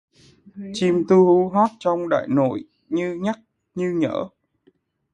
Chim tu hú hót trong đại nội như nhắc như nhở